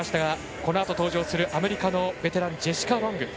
このあと登場するアメリカのベテランジェシカ・ロング。